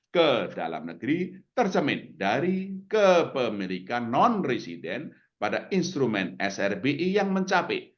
ke dalam negeri tercemin dari kepemilikan non resident pada instrumen srbi yang mencapai